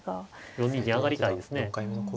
４二銀上がりたいですね。